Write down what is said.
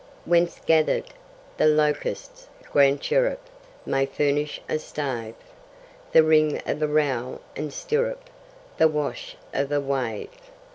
Whence gather'd? The locust's grand chirrup May furnish a stave; The ring of a rowel and stirrup, The wash of a wave.